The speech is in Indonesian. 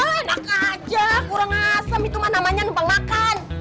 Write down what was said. enak aja kurang asem itu mah namanya numpang makan